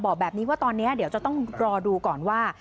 บอกแบบนี้ว่าตอนนี้เดี๋ยวจะต้องรอดูก่อนว่า